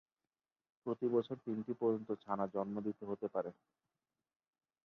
প্রতি বছর তিনটি পর্যন্ত ছানা জন্ম দিতে হতে পারে।